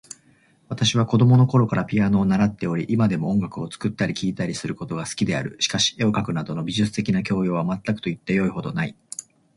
私は子供のころからピアノを習っており、今でも音楽を作ったり聴いたりすることが好きである。しかし、絵を描くなどの美術的な教養は全くと言ってよいほどない。